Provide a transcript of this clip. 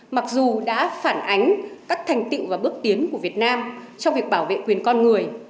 mặc dù đã phản ánh các thành tựu và bước tiến của việt nam trong việc bảo vệ quyền con người